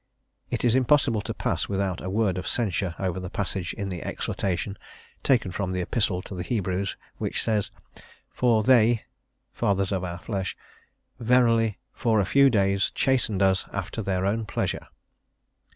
It is impossible to pass, without a word of censure, over the passage in the exhortation, taken from the Epistle to the Hebrews, which says, "for they (fathers of our flesh) verily for a few days chastened us after their own pleasure."